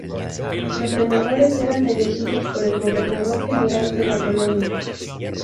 Los senadores eran elegidos por el Gobernador General de la colonia.